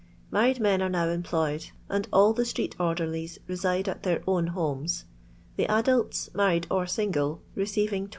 Married men are now employed, and all the street orderlies reside at their own homes; the adults, married or single, receiving 12«.